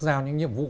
giao những nhiệm vụ